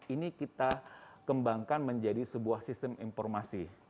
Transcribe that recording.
ini kita kembangkan menjadi sebuah sistem informasi